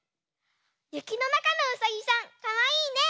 ゆきのなかのうさぎさんかわいいね！